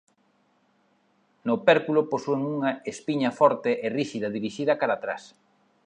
No opérculo posúen unha espiña forte e ríxida dirixida cara atrás.